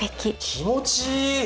気持ちいい。